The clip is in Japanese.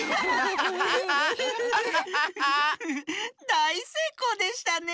だいせいこうでしたね。